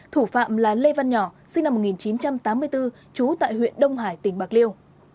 thủ phạm là lê văn nhỏ sinh năm một nghìn chín trăm tám mươi bốn trú tại huyện đông hải tỉnh bạc liêu